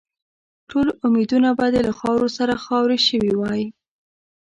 ټول امیدونه به دې له خاورو سره خاوري شوي وای.